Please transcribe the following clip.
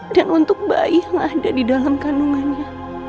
dan untuk bayi yang ada di dalam kandungannya